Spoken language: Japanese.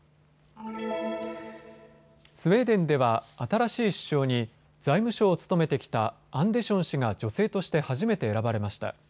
スウェーデンでは新しい首相に財務相を務めてきたアンデション氏が女性として初めて選ばれました。